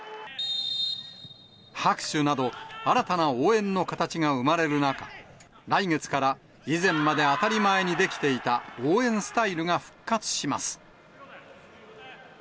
拍手など、新たな応援の形が生まれる中、来月から以前まで当たり前にできていた応援スタイルが復活します。